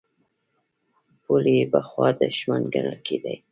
پولې پخوا دښمن ګڼل کېدې.